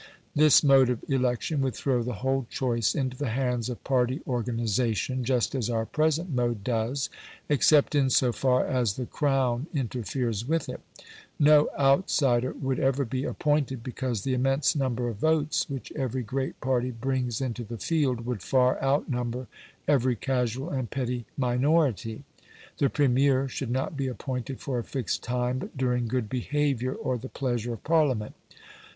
This mode of election would throw the whole choice into the hands of party organisation, just as our present mode does, except in so far as the Crown interferes with it; no outsider would ever be appointed, because the immense number of votes which every great party brings into the field would far outnumber every casual and petty minority. The Premier should not be appointed for a fixed time, but during good behaviour or the pleasure of Parliament.